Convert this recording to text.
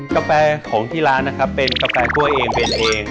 กาแฟของที่ร้านนะครับเป็นกาแฟคั่วเองเป็นเอง